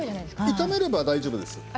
炒めれば大丈夫です。